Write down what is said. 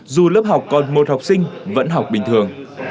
dù lớp học còn một học sinh vẫn học bình thường